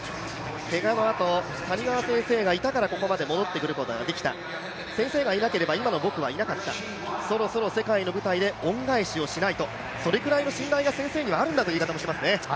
けがのあと谷川先生がいたからここまで戻ってくることができた、先生がいなければ今の僕はいなかった、そろそろ世界の舞台で恩返しをしないと、それぐらいの信頼が先生にはあるんだという話をしていますね。